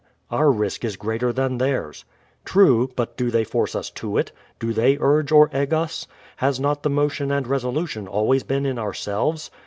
Our risk is greater than theirs :— True, but do they force us to it? Do they urge or egg us? Has not the motion and resolution always been in ourselves?